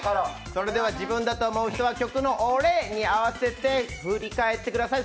自分だと思う人は曲のオレ！に合わせて振り返ってください。